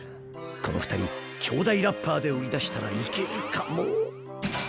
この２人兄弟ラッパーで売り出したらいけるかも！